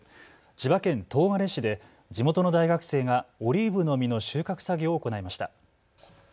千葉県東金市で地元の大学生がオリーブの実の収穫作業を行いました。